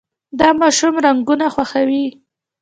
دا ماشوم رنګونه خوښوي.